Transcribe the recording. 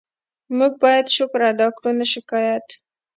موږ باید شکر ادا کړو، نه شکایت.